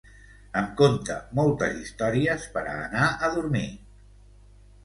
Em conta moltes històries per a anar a dormir.